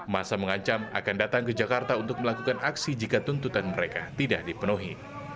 masa mengancam akan datang ke jakarta untuk melakukan aksi jika tuntutan mereka tidak dipenuhi